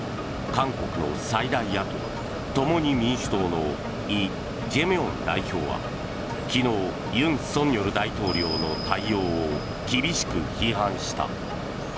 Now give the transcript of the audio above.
韓国の最大野党・共に民主党のイ・ジェミョン代表は昨日、尹錫悦大統領の対応を厳しく批判した。